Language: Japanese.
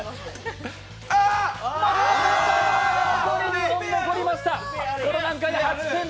２本残りました。